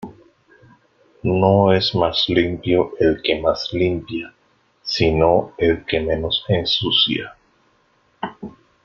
No es más limpio el que más limpia, sino el que menos ensucia.